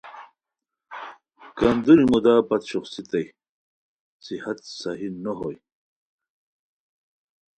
کندوری مودا پت شوخڅیتائے صحت صحیح نو ہوئے